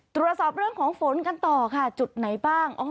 ตรวจสอบเรื่องของฝนกันต่อค่ะจุดไหนบ้าง